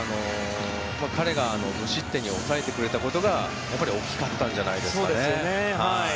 彼が無失点に抑えてくれたことが大きかったんじゃないですかね。